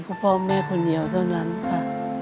ก็พ่อแม่คนเดียวเท่านั้นค่ะ